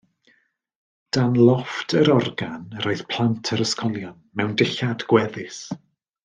Dan lofft yr organ yr oedd plant yr ysgolion, mewn dillad gweddus.